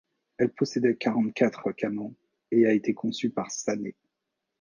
Elle possédait quarante-quatre canons et a été conçue par Sané.